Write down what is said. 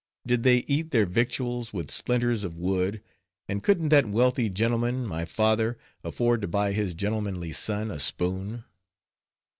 Did they eat their victuals with splinters of wood, and couldn't that wealthy gentleman my father afford to buy his gentlemanly son a spoon?